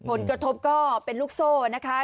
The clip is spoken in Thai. ผลกระทบก็เป็นลูกโซ่นะคะ